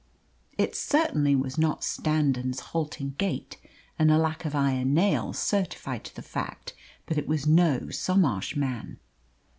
It certainly was not Standon's halting gait, and a lack of iron nail certified to the fact that it was no Somarsh man.